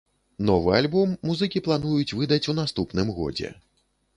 Новы альбом музыкі плануюць выдаць у наступным годзе.